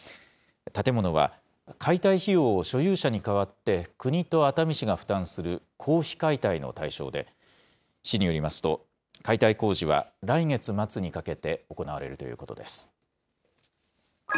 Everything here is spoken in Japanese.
建物は、解体費用を所有者に代わって国と熱海市が負担する公費解体の対象で、市によりますと、解体工事は来月末にかけて行われるということです。